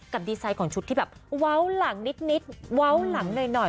ดีไซน์ของชุดที่แบบเว้าหลังนิดเว้าหลังหน่อย